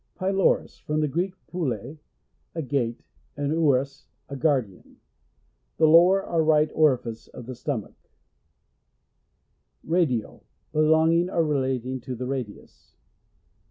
Pylorus — From the Greek, pule, a gate, and ouros, a guardian. The lower or right orifice of the stomach Radial. — Belonging or relating to the ratlins.